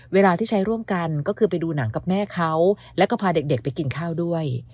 เวลาที่ใช้ร่วมกันก็คือไปดูหนังกับแม่เขาแล้วก็พาเด็กไปกินข้าวด้วย